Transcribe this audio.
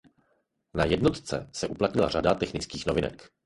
Na jednotce se uplatnila řada technických novinek.